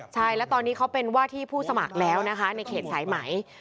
ใช่แล้วตอนนี้เขาเป็นว่าที่ผู้สมัครแล้วนะคะในเขตสายไหม